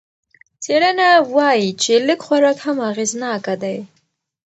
څېړنه وايي چې لږ خوراک هم اغېزناکه دی.